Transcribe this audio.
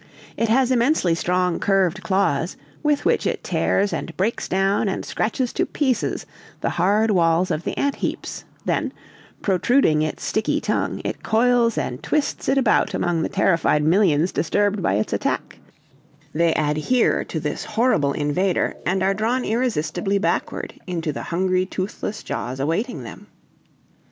It has immensely strong curved claws, with which it tears and breaks down and scratches to pieces the hard walls of the ant heaps; then, protruding its sticky tongue, it coils and twists it about among the terrified millions disturbed by its attack; they adhere to this horrible invader, and are drawn irresistibly backward into the hungry, toothless jaws awaiting them.